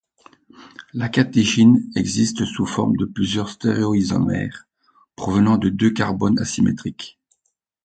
La catéchine existe sous forme de plusieurs stéréo-isomères provenant de deux carbones asymétriques.